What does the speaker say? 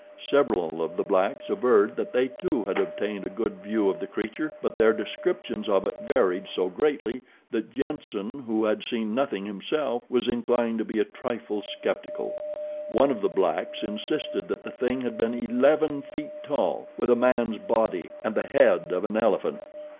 Several of the blacks averred that they too had obtained a good view of the creature but their descriptions of it varied so greatly that Jenssen, who had seen nothing himself, was inclined to be a trifle skeptical. One of the blacks insisted that the thing had been eleven feet tall, with a man's body and the head of an elephant.